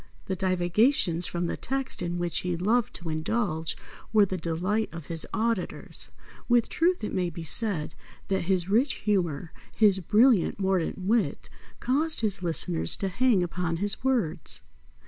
The divagations from the text in which he loved to indulge were the delight of his auditors. With truth it may be said that his rich humour, his brilliant, mordant wit, caused his listeners to hang upon his words.